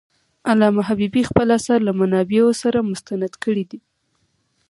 علامه حبيبي خپل آثار له منابعو سره مستند کړي دي.